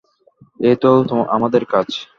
এই তো আমাদের কাজ।